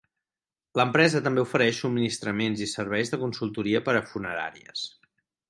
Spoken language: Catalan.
L'empresa també ofereix subministraments i serveis de consultoria per a funeràries.